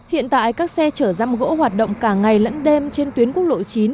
hiện tại các xe chở răm gỗ hoạt động cả ngày lẫn đêm trên tuyến quốc lộ chín